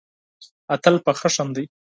اتل په خښم دی.